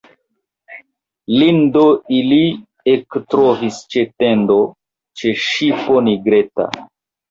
Lin do ili ektrovis ĉe tendo, ĉe ŝipo nigreta.